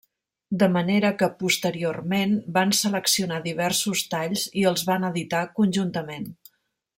De manera que posteriorment van seleccionar diversos talls i els van editar conjuntament.